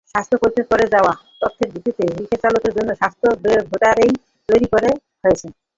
স্বাস্থ্য পরীক্ষা করে পাওয়া তথ্যের ভিত্তিতে রিকশাচালকদের জন্য স্বাস্থ্য ডেটাবেইস তৈরি করা হয়েছে।